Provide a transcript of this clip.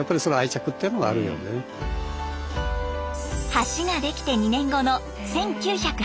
橋ができて２年後の１９８５年。